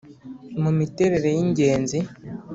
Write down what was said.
mu miterere y’ingenzi.